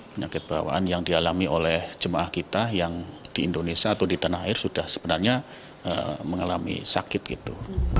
penyakit bawaan yang dialami oleh jemaah kita yang di indonesia atau di tanah air sudah sebenarnya mengalami sakit gitu